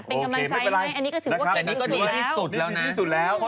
เอานะเป็นกำลังใจให้แต่นี่ก็ถือว่าดีสุดแล้ว